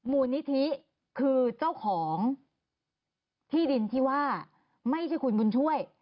มูลนิธิคือเจ้าของที่ดินที่ว่าไม่ใช่คุณบุญช่วย